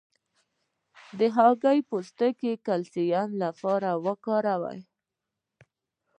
د هګۍ پوستکی د کلسیم لپاره وکاروئ